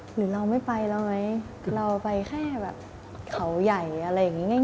หรือเราไม่ไปแล้วไหมเราไปแค่แบบเขาใหญ่อะไรอย่างนี้ง่าย